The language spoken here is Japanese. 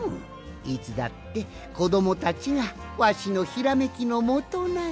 いつだってこどもたちがわしのひらめきのもとなんじゃ。